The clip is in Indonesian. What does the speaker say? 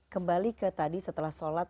kembali ke tadi setelah sholat